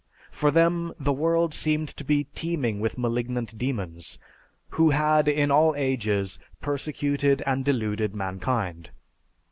For them the world seemed to be teeming with malignant demons, who had in all ages persecuted and deluded mankind.